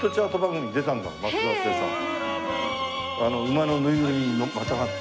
馬のぬいぐるみにまたがって。